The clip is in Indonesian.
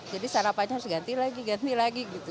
jadi sarapannya harus ganti lagi ganti lagi gitu